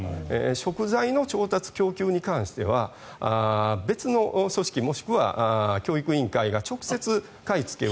食材の調達、供給に関しては別の組織もしくは教育委員会が直接買いつけを。